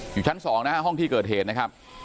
อยู่ชั้น๒นะฮะห้องที่เกิดเหตุนะครับ